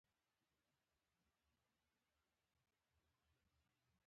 څه خبره ده؟ ایا زه د انساني احساساتو د درلودو حق نه لرم؟